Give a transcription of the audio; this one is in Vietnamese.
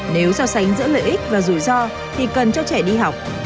nếu so sánh giữa lợi ích và rủi ro thì cần cho trẻ đi học